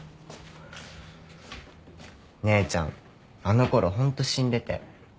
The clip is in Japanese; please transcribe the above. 姉ちゃんあのころホント死んでて。